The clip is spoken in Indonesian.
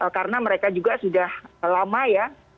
karena mereka juga sudah lama ya